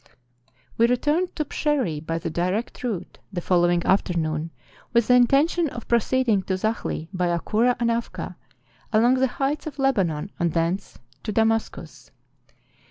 We returned to Psherre, by the direct route, the following afternoon, with the intention of proceed¬ ing to Zachli, by Akoura and Afka, along the heights of Lebanon and thence to Damascus.